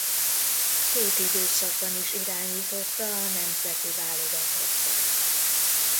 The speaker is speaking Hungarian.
Két időszakban is irányította a nemzeti válogatottat.